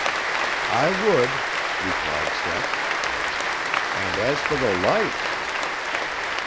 "I would," replied Seth, "and as fo' the lights!"